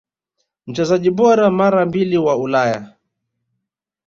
Mchezaji bora mara mbili wa Ulaya